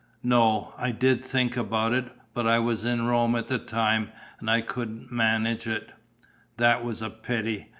"No, I did think about it, but I was in Rome at the time and I couldn't manage it." "That was a pity.